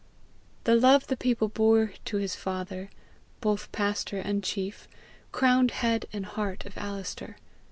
The love the people bore to his father, both pastor and chief, crowned head and heart of Alister.